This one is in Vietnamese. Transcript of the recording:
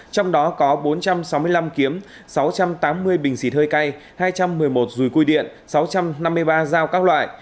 trong đó có bốn trăm sáu mươi năm kiếm sáu trăm tám mươi bình xịt hơi cay hai trăm một mươi một rùi cui điện sáu trăm năm mươi ba dao các loại